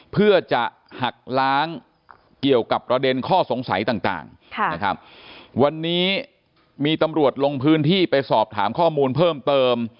เพื่อจะหักล้างเกี่ยวกับประเด็นข้อสงสัยต่างนะครับวันนี้มีตำรวจลงพื้นที่ไปสอบถามข้อมูลเพิ่มเติม